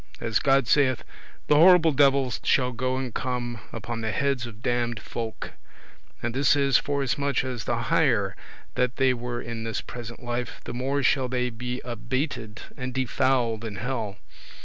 As God saith, "The horrible devils shall go and come upon the heads of damned folk;" and this is, forasmuch as the higher that they were in this present life, the more shall they be abated [abased] and defouled in hell.